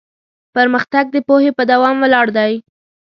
پرمختګ د پوهې په دوام ولاړ دی.